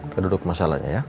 kita duduk ke masalah nya ya